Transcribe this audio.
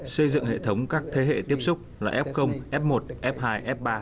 xây dựng hệ thống các thế hệ tiếp xúc là f f một f hai f ba